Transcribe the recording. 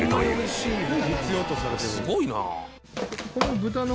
すごいな。